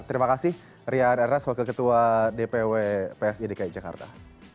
terima kasih rian ernest wakil ketua dpw psi dki jakarta